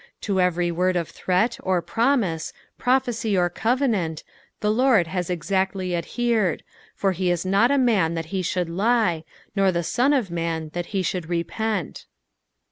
To every word of threat, or promise, prophecy or covenant, the Lord has exactly adhered, for he is not a man that he ahould lie, nor the son of man that he should repent.